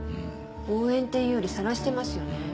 応援っていうよりさらしてますよね。